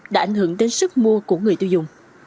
đã ảnh hưởng đến sức mua của người tiêu dùng